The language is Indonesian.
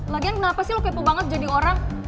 lagian kenapa sih lo kepo banget jadi orang